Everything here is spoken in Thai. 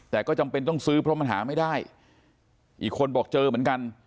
แต่ก็จำเป็นต้องซื้อเพราะมันหาไม่ได้อีกคนบอกเจอเหมือนกัน